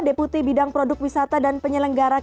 deputi bidang produk wisata dan penyelenggara